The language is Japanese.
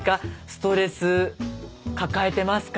ストレス抱えてますか？